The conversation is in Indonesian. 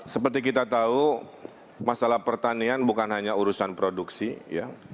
seperti kita tahu masalah pertanian bukan hanya urusan produksi ya